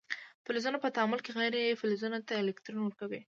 فلزونه په تعامل کې غیر فلزونو ته الکترون ورکوي.